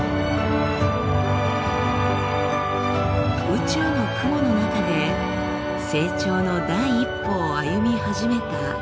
宇宙の雲の中で成長の第一歩を歩み始めた星のタマゴ。